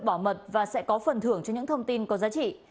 mọi thông tin sẽ được bỏ mật và sẽ có phần thưởng cho những thông tin có giá trị